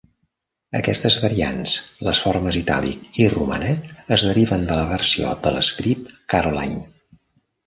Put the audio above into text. Aquestes variants, les formes "itàlic" i "romana", es deriven de la versió de l'script Caroline.